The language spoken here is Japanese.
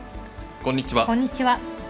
こんにちは。